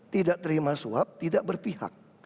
tidak terima suap tidak berpihak